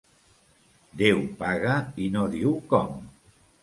Déu paga i no diu com.